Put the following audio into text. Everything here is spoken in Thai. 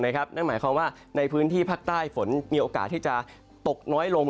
นั่นหมายความว่าในพื้นที่ภาคใต้ฝนมีโอกาสที่จะตกน้อยลง